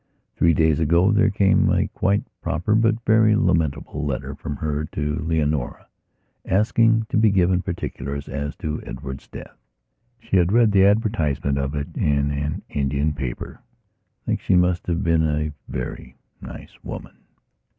Three days ago there came a quite proper but very lamentable letter from her to Leonora, asking to be given particulars as to Edward's death. She had read the advertisement of it in an Indian paper. I think she must have been a very nice woman....